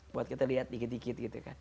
buat kita lihat dikit dikit